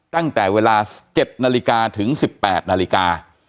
ตั้งแต่เวลา๗นาฬิกาถึง๑๘นาฬิกา